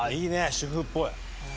主婦っぽい。